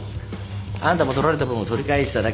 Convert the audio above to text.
あんたも取られた分を取り返しただけ。